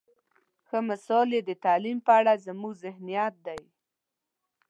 ښه مثال یې د تعلیم په اړه زموږ ذهنیت دی.